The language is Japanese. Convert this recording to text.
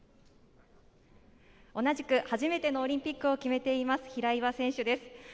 同じく初めてのオリンピックを決めています、平岩選手です。